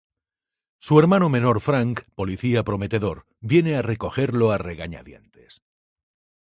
Su hermano menor Frank, policía prometedor, viene a recogerlo a regañadientes.